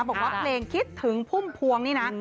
บอกว่าเพลงคิดถึงพุ่มพวงนี่นะ